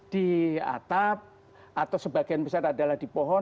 di atap atau sebagian besar adalah di pohon